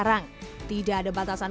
ya dah cuma pakai